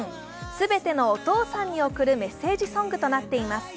全てのお父さんに贈るメッセージソングとなっています。